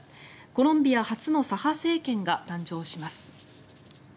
コロンビア初の左派政権が誕生します。